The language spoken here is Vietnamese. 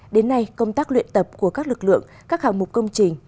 đến nay công tác luyện tập của các lực lượng các hạng mục công trình